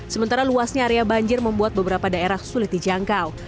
sementara luasnya area banjir membuat beberapa daerah sulit dijangkau